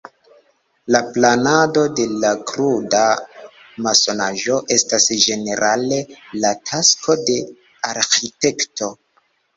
La planado de la kruda masonaĵo estas ĝenerale la tasko de arĥitekto.